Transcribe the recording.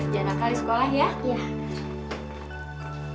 jangan akali sekolah ya